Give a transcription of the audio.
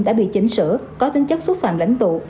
đã bị chỉnh sửa có tính chất xúc phạm lãnh tụ